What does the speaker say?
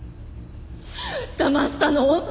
だましたの？